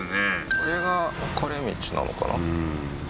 これが別れ道なのかな？